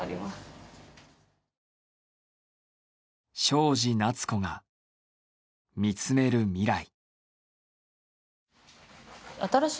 庄司夏子が見つめる未来。